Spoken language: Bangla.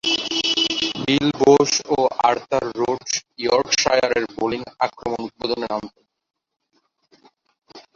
বিল বোস ও আর্থার রোডস ইয়র্কশায়ারের বোলিং আক্রমণ উদ্বোধনে নামতেন।